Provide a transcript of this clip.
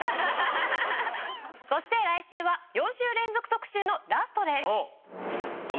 そして来週は４週連続特集のラストです。